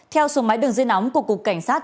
theo số máy đường dây nóng của cục cảnh sát